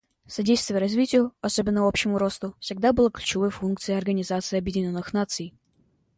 Содействие развитию, особенно общему росту, всегда было ключевой функцией Организации Объединенных Наций.